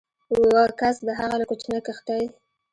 و کس د هغه له کوچنۍ کښتۍ